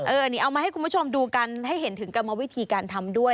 อันนี้เอามาให้คุณผู้ชมดูกันให้เห็นถึงกรรมวิธีการทำด้วย